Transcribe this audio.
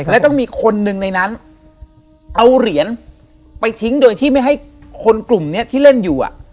และต้องมีคนหนึ่งในนั้นเอาเหรียญไปทิ้งโดยที่ไม่ให้คนกลุ่มนี้ที่เล่นอยู่